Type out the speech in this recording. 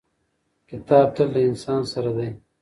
کتاب تل له انسان سره دی.